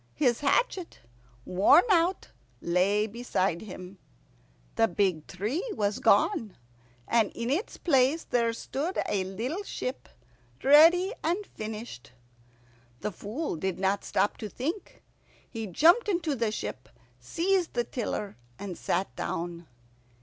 His hatchet, worn out, lay beside him. The big tree was gone, and in its place there stood a little ship, ready and finished. The Fool did not stop to think. He jumped into the ship, seized the tiller, and sat down.